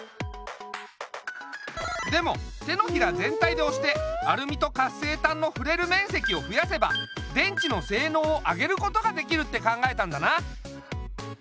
でも手のひら全体でおしてアルミと活性炭のふれるめんせきをふやせば電池のせいのうを上げることができるって考えたんだな。